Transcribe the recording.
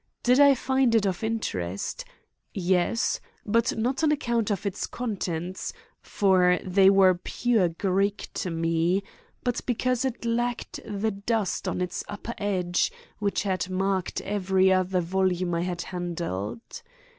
Did I find it of interest? Yes, but not on account of its contents, for they were pure Greek to me; but because it lacked the dust on its upper edge which had marked every other volume I had handled.